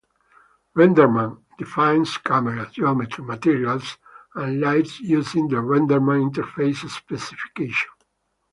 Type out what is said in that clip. RenderMan defines cameras, geometry, materials, and lights using the RenderMan Interface Specification.